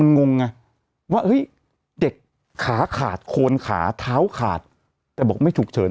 งงไงว่าเฮ้ยเด็กขาขาดโคนขาเท้าขาดแต่บอกไม่ฉุกเฉิน